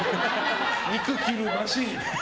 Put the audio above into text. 肉切るマシーン。